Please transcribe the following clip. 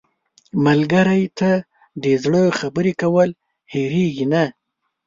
ملګری ته د زړه خبرې کول هېرېږي نه